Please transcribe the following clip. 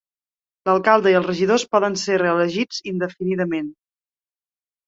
L'alcalde i els regidors poden ser reelegits indefinidament.